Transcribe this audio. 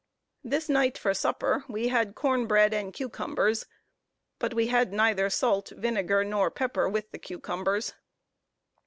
This night for supper we had corn bread and cucumbers; but we had neither salt, vinegar, nor pepper with the cucumbers.